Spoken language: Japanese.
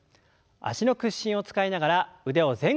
脚の屈伸を使いながら腕を前後に振ります。